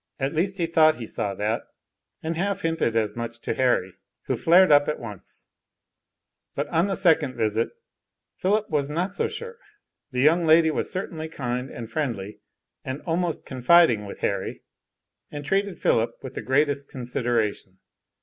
At least he thought he saw that, and half hinted as much to Harry, who flared up at once; but on a second visit Philip was not so sure, the young lady was certainly kind and friendly and almost confiding with Harry, and treated Philip with the greatest consideration.